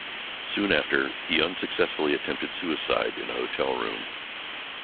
Soon after, he unsuccessfully attempted suicide in a hotel room.